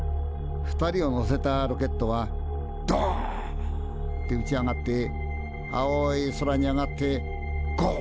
２人を乗せたロケットはドンッて打ち上がって青い空に上がってゴオ。